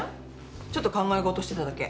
ちょっと考えごとしてただけ。